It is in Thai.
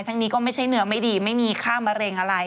นี้ก็ไม่ใช่เนื้อไม่ดีไม่มีค่ามะเร็งอะไร